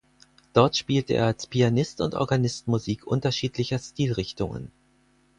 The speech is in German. Dort spielte er als Pianist und Organist Musik unterschiedlicher Stilrichtungen.